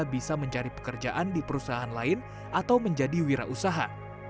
bisa mencari pekerjaan di perusahaan lain atau menjadi wirausaha